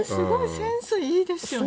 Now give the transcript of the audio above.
センスがいいですね。